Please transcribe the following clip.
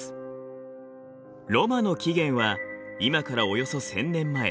ロマの起源は今からおよそ１，０００年前。